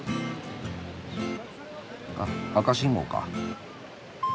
あっ赤信号か。